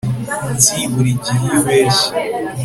Nzi buri gihe iyo ubeshya